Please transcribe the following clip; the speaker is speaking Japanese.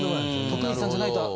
徳光さんじゃないと。